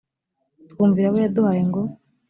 twumvira abo yaduhaye ngo